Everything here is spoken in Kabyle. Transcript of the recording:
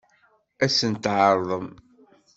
Ad sen-t-tɛeṛḍem?